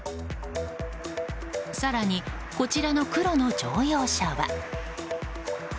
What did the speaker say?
更に、こちらの黒の乗用車は。